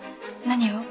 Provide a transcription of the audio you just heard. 何を？